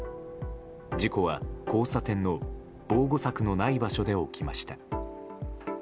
事故は交差点の防護柵のない場所で起きました。